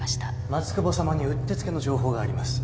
松久保さまにうってつけの情報があります